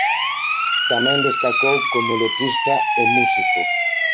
Tamén destacou como letrista e músico.